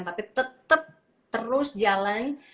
tapi tetep terus jalan